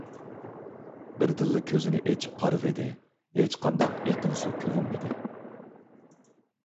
بىردىنلا كۆزىنى ئېچىپ قارىۋىدى، ھېچقانداق ئېقىن سۇ كۆرۈنمىدى.